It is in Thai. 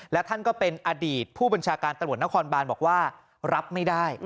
และท่านก็เป็นอดีตผู้บัญชาการตำรวจนครบานบอกว่ารับไม่ได้